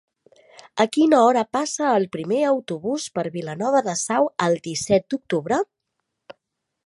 A quina hora passa el primer autobús per Vilanova de Sau el disset d'octubre?